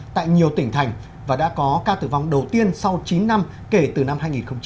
tại nhiều tỉnh thành và đã có ca tử vong đầu tiên sau chín năm kể từ năm hai nghìn một mươi ba